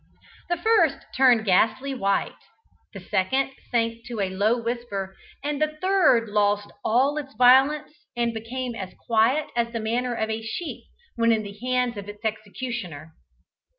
The first turned ghastly white; the second sank to a low whisper; and the third lost all its violence, and became as quiet as the manner of a sheep when in the hands of its executioner.